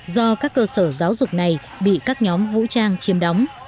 do các cơ sở giáo dục này bị các nhóm vũ trang chiến đấu